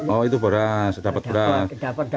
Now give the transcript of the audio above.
oh itu beras dapat beras